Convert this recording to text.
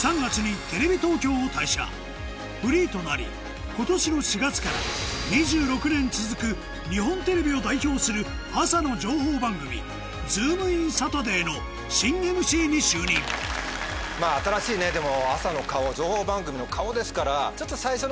フリーとなり今年の４月から２６年続く日本テレビを代表する朝の情報番組『ズームイン‼サタデー』の新ＭＣに就任情報番組の顔ですから。